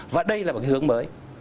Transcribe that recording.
và đây là một cái hướng mới